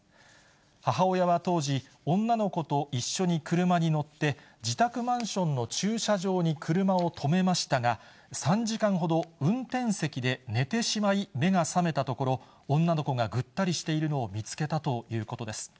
母親は当時、女の子と一緒に車に乗って、自宅マンションの駐車場に車を止めましたが、３時間ほど運転席で寝てしまい、目が覚めたところ、女の子がぐったりしているのを見つけたということです。